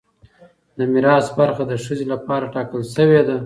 د میراث برخه د ښځې لپاره ټاکل شوې ده.